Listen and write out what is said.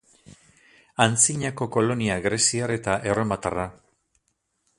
Antzinako kolonia greziar eta erromatarra.